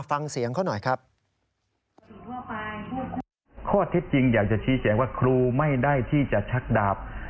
ฟังเสียงเขาหน่อยครับ